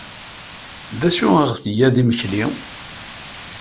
D acu ay d-tga d imekli?